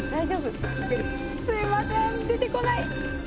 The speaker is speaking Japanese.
すいません出てこない！